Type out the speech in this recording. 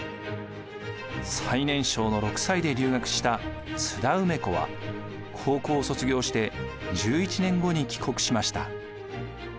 最年少の６歳で留学した津田梅子は高校を卒業して１１年後に帰国しました。